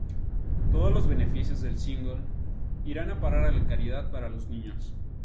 Todos los beneficios del single irán a parar a la caridad para los niños.